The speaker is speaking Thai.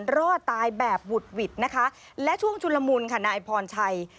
รอดตายแบบบุดหวิดนะคะและช่วงชุลมุนค่ะนายพรชัย